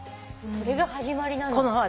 それが始まりなの？